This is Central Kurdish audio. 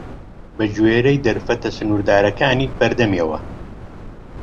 بە گوێرەی دەرفەتە سنووردارەکانی بەردەمیەوە